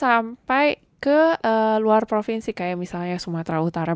sampai ke luar provinsi kayak misalnya sumatera utara